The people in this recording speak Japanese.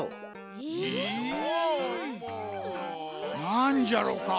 なんじゃろか？